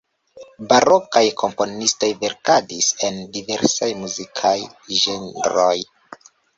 Barokaj komponistoj verkadis en diversaj muzikaj ĝenroj.